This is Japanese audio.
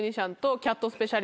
キャットスペシャル？